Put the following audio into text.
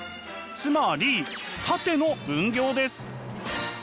つまり「縦の分業」です。